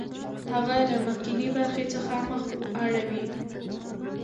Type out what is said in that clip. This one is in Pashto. هغه له مخکینۍ برخې څخه مخ اړوي